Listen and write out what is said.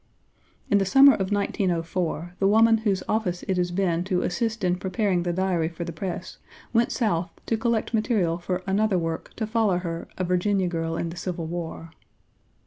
In the summer of 1904, the woman whose office it has been to assist in preparing the Diary for the press, went South to collect material for another work to follow her A Virginia Girl in the Civil War.